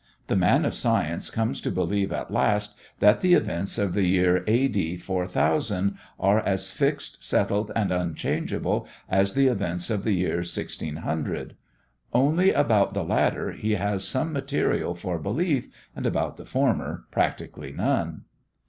The man of science comes to believe at last that the events of the year A.D. 4000 are as fixed, settled, and unchangeable as the events of the year 1600. Only about the latter he has some material for belief and about the former practically none.